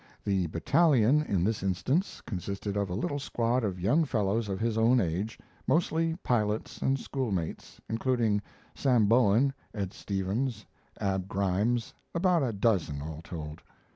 The "battalion" in this instance consisted of a little squad of young fellows of his own age, mostly pilots and schoolmates, including Sam Bowen, Ed Stevens, and Ab Grimes, about a dozen, all told.